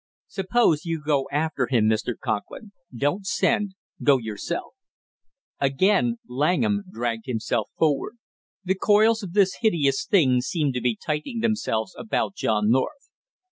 "Suppose you go after him, Mr. Conklin. Don't send go yourself," he added. Again Langham dragged himself forward; the coils of this hideous thing seemed to be tightening themselves about John North.